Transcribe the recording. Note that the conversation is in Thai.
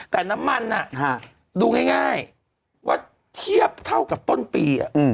แต่น้ำมันดูง่ายว่าเทียบเท่ากับต้นปี